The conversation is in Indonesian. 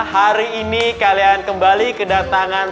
hari ini kalian kembali kedatangan